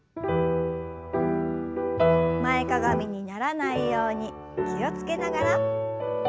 前かがみにならないように気を付けながら。